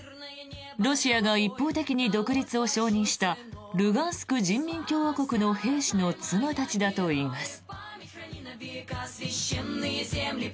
ロシアが一方的に独立を承認したルガンスク人民共和国の兵士の妻たちだといいます。